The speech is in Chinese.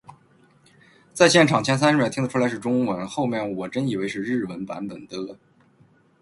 在现场，前三十秒听得出来是中文，后面我真以为是日文版本的